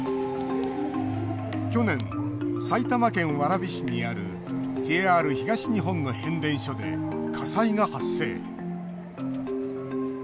去年埼玉県蕨市にあるＪＲ東日本の変電所で火災が発生。